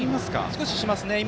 少し感じますね。